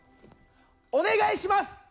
お願いします！